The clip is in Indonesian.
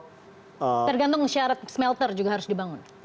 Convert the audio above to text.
tergantung syarat smelter juga harus dibangun